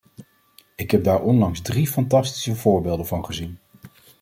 Ik heb daar onlangs drie fantastische voorbeelden van gezien.